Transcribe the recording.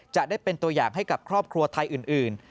จะได้เป็นตัวอย่างให้กับครอบครัวไทยอื่น